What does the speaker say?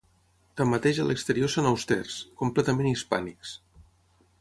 Tanmateix a l'exterior són austers, completament hispànics.